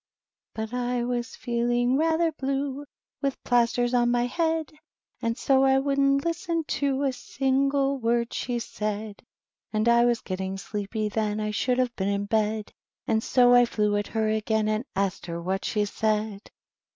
But I was feeling rather blue, With plasters on my head, And so I wouldn't listen to A single word she said. And I was getting sleepy then, 1 should have been in bed. And so I flew at her again And asked her what she said.